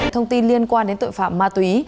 thông tin liên quan đến tội phạm ma túy